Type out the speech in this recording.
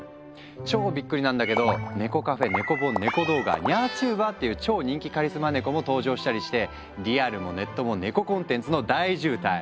超びっくりなんだけど猫カフェネコ本ネコ動画ニャーチューバーっていう超人気カリスマネコも登場したりしてリアルもネットもネココンテンツの大渋滞。